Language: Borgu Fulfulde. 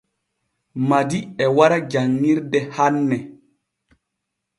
Madi e wara janŋirde hanne.